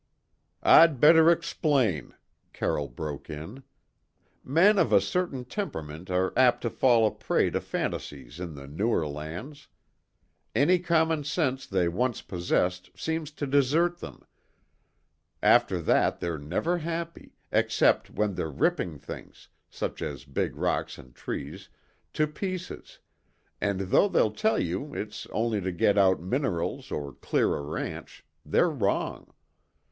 "I'd better explain," Carroll broke in. "Men of a certain temperament are apt to fall a prey to fantasies in the newer lands; any common sense they once possessed seems to desert them. After that they're never happy, except when they're ripping things such as big rocks and trees to pieces, and though they'll tell you it's only to get out minerals or clear a ranch, they're wrong.